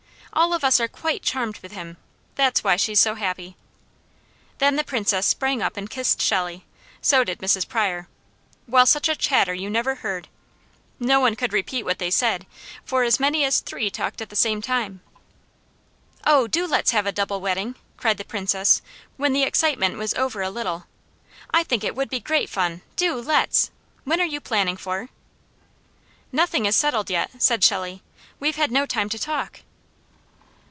All of us are quite charmed with him. That's why she's so happy." Then the Princess sprang up and kissed Shelley, so did Mrs. Pryor, while such a chatter you never heard. No one could repeat what they said, for as many as three talked at the same time. "Oh do let's have a double wedding!" cried the Princess when the excitement was over a little. "I think it would be great fun; do let's! When are you planning for?" "Nothing is settled yet," said Shelley. "We've had no time to talk!"